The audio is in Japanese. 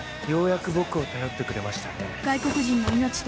ようやく僕を頼ってくれましたね。